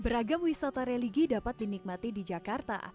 beragam wisata religi dapat dinikmati di jakarta